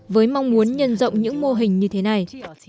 với mong muốn nhân rộng những mô hình như thế này